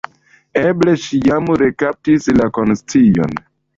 Eble ŝi jam rekaptis la konscion.